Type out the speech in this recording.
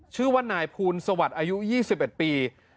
ชื่อว่านายภูลสวัสดิ์อายุยี่สิบเอ็ดปี